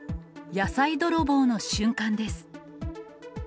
野菜泥棒の瞬間です。